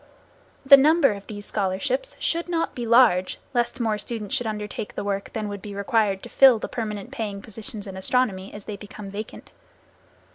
The number of these scholarships should not be large, lest more students should undertake the work than would be required to fill the permanent paying positions in astronomy, as they become vacant.